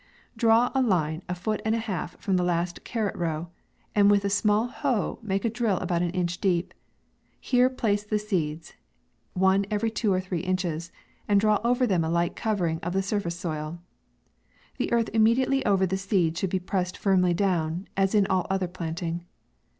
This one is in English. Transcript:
Draw a line a foot and a half from the i*st carrot row, and wilh a small hoe make a drill about an inch deep ; here place the seeds, one every two or three inches, and draw over them a light covering of the sur face soil. The earth immediatelv over the seed should be pressed firmly down, as in all other planting.